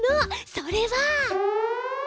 それは。